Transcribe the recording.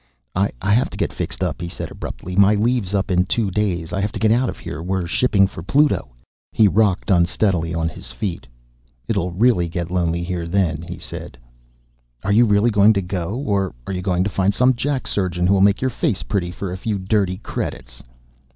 "I have to get fixed up," he said abruptly. "My leave's up in two days. I have to get out of here. We're shipping for Pluto." He rocked unsteadily on his feet. "It'll really get lonely here then," he said. "Are you really going to go? Or are you going to find some jack surgeon who'll make your face pretty for a few dirty credits?"